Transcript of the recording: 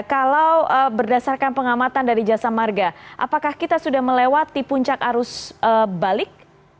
kalau berdasarkan pengamatan dari jasa marga apakah kita sudah melewati puncak arus balik